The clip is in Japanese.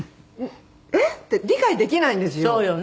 「えっ？」って理解できないんですよ。